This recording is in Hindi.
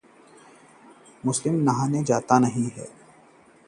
मैं नहाने जा रहा हूँ।